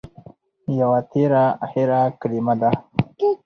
يوه تېره هېره کلمه ده